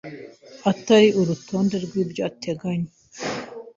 atari urutonde rw’ibyo uteganya